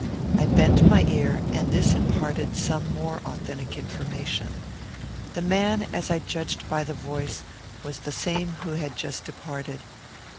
I bent my ear, and this imparted some more authentic information. The man, as I judged by the voice, was the same who had just departed.